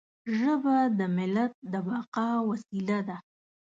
ژبه د ملت د بقا وسیله ده.